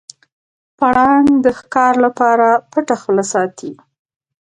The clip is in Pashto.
پړانګ د ښکار لپاره پټه خوله ساتي.